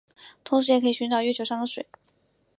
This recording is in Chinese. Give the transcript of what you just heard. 同时也可以寻找月球上的水。